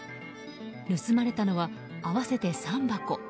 盗まれたのは合わせて３箱。